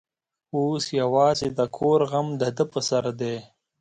اوس یوازې د کور غم د ده پر سر دی.